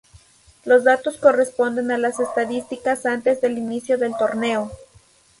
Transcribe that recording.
Los datos corresponden a las estadísticas antes del inicio del torneo.